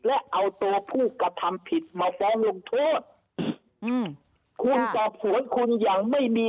และเอาตัวผู้กระทำผิดมาฟ้องลงโทษอืมคุณสอบสวนคุณอย่างไม่มี